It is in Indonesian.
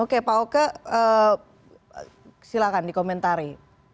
oke pak okle silakan dikomentari